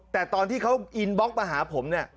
แต่ตอนที่เขาอินบล็อกมาหาผมเนี่ย